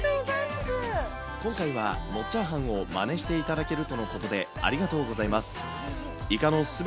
今回は、もっチャーハンをマネしていただけるとのことで、ありがとうございます。